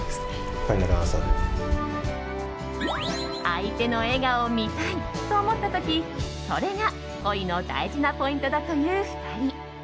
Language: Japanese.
相手の笑顔を見たいと思った時それが恋の大事なポイントだという２人。